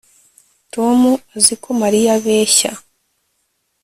Tom azi ko Mariya abeshya